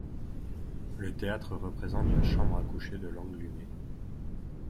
Le théâtre représente la chambre à coucher de Lenglumé.